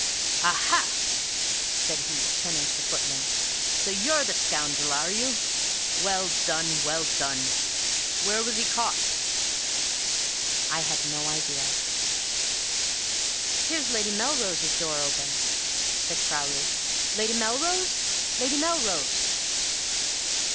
"Aha!" said he, turning to the footman. "So you're the scoundrel, are you? Well done! Well done! Where was he caught?" I had no idea. "Here's Lady Melrose's door open," said Crowley. "Lady Melrose! Lady Melrose!"